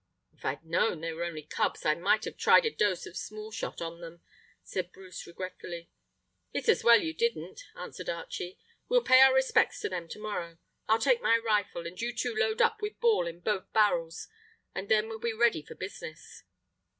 "If I'd known that they were only cubs I might have tried a dose of small shot on them," said Bruce regretfully. "It's just as well you didn't," answered Archie. "We'll pay our respects to them to morrow. I'll take my rifle, and you two load up with ball in both barrels, and then we'll be ready for business."